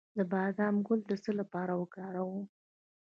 د بادام ګل د څه لپاره وکاروم؟